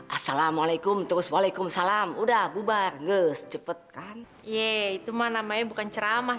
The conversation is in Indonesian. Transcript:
assalamualaikum terus waalaikumsalam udah bubar ngecepetkan ye itu mah namanya bukan ceramah